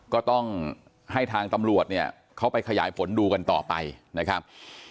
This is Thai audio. ก็ต้องให้ทางตำรวจเนี่ยเขาไปขยายผลดูกันต่อไปนะครับ